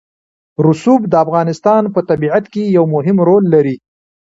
رسوب د افغانستان په طبیعت کې یو مهم رول لري.